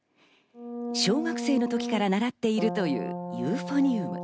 小学生の時から習っているというユーフォニウム。